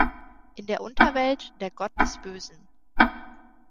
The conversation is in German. In der Unterwelt der Gott des Bösen.